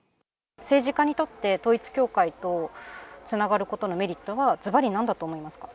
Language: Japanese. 政治家にとって、統一教会とつながることのメリットはずばりなんだと思いますか。